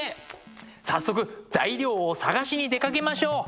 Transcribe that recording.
早速材料を探しに出かけましょう。